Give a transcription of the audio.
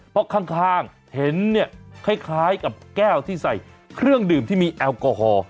เพราะข้างเห็นเนี่ยคล้ายกับแก้วที่ใส่เครื่องดื่มที่มีแอลกอฮอล์